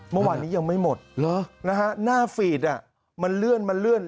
เมื่อวานนี้ยังไม่หมดนะฮะหน้าฟีดมันเลื่อนมันเลื่อน